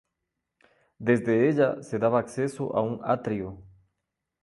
Desde ella se daba acceso a un atrio.